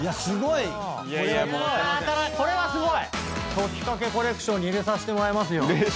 『トキカケ』コレクションに入れさせてもらいますよ。